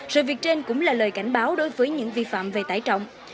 sự việc trên cũng là lời cảnh báo đối với những vi phạm về tải trọng